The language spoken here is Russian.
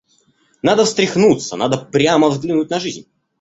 Надо встряхнуться, надо прямо взглянуть на жизнь.